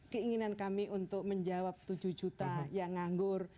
keinginan kami untuk menjawab tujuh juta yang nganggur